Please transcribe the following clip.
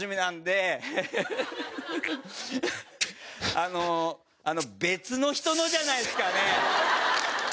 あの別の人のじゃないですかね？